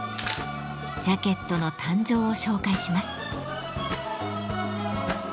ジャケットの誕生を紹介します。